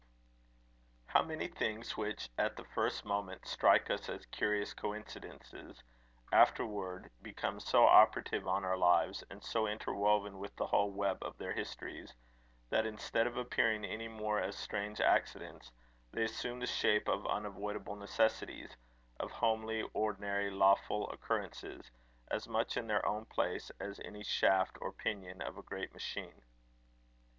How many things which, at the first moment, strike us as curious coincidences, afterwards become so operative on our lives, and so interwoven with the whole web of their histories, that instead of appearing any more as strange accidents, they assume the shape of unavoidable necessities, of homely, ordinary, lawful occurrences, as much in their own place as any shaft or pinion of a great machine!